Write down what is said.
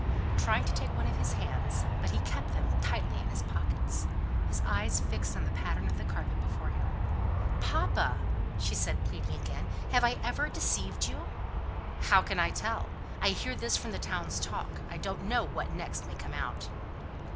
trying to take one of his hands; but he kept them tightly in his pockets, his eyes fixed on the pattern of the carpet before him. "Papa!" said she, pleading again, "have I ever deceived you?" "How can I tell? I hear of this from the town's talk. I don't know what next may come out!"